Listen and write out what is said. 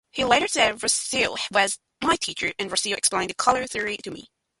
He later said Russell was my teacher, and Russell explained colour theory to me.